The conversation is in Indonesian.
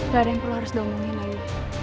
gak ada yang perlu harus diomongin lagi